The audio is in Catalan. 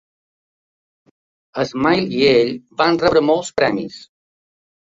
Smile i ell van rebre molts premis.